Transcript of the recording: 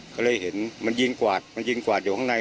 ก็เลยเห็นมันยิงกวาดมันยิงกวาดอยู่ข้างใน